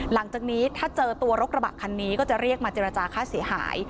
หลังจากนี้ถ้าเจอตัวรถกระบะคันนี้ก็จะเรียกมาเจรจาค่าเสียหาย